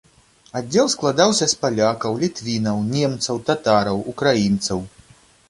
Аддзел складаўся з палякаў, літвінаў, немцаў, татараў, украінцаў.